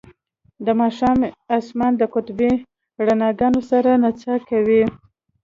د ماښام اسمان د قطبي رڼاګانو سره نڅا کوي